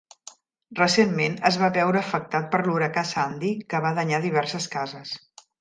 Recentment es va veure afectat per l'huracà Sandy, que va danyar diverses cases.